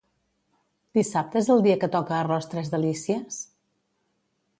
Dissabte és el dia que toca arròs tres delícies?